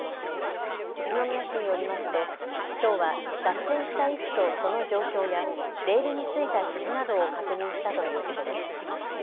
宇都宮市によりますときょうは脱線した位置とその状況やレールについた傷などを確認したということです。